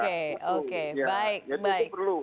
oke oke baik baik